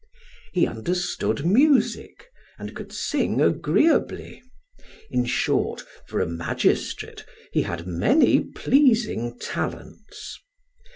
He understood music, and could sing agreeably; in short, for a magistrate, he had many pleasing talents.